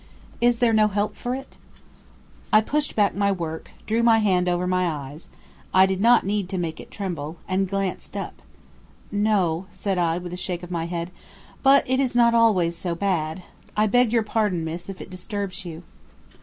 "Is there no help for it?" I pushed back my work, drew my hand over my eyes, (I did not need to make it tremble) and glanced up. "No," said I with a shake of my head, "but it is not always so bad. I beg your pardon, miss, if it disturbs you."